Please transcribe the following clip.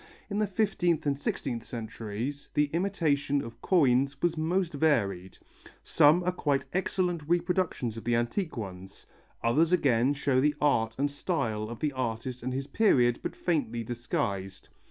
In the fifteenth and sixteenth centuries the imitation of coins was most varied; some are quite excellent reproductions of the antique ones, others again show the art and style of the artist and his period but faintly disguised.